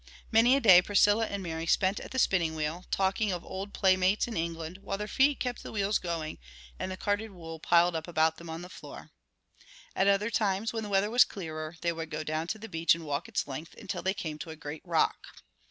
Many a day Priscilla and Mary spent at the spinning wheel, talking of old play mates in England while their feet kept the wheels going and the carded wool piled up about them on the floor. At other times, when the weather was clearer, they would go down to the beach and walk its length until they came to a great rock.